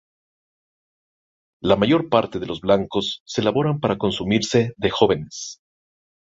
La mayor parte de los blancos se elaboran para consumirse de jóvenes.